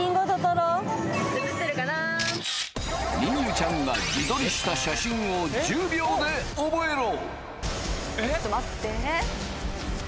望結ちゃんが自撮りした写真を１０秒でオボエロ！